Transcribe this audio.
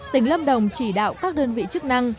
tỉnh lâm đồng chỉ đạo các đơn vị chức năng